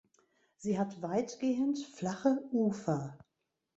Sie hat weitgehend flache Ufer.